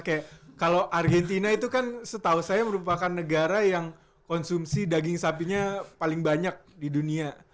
kayak kalau argentina itu kan setahu saya merupakan negara yang konsumsi daging sapinya paling banyak di dunia